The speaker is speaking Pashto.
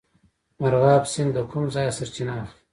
مرغاب سیند له کوم ځای سرچینه اخلي؟